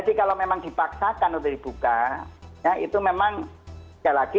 kalau memang dipaksakan untuk dibuka ya itu memang sekali lagi